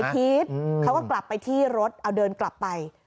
พีชเขาก็กลับไปที่รถเอาเดินกลับไป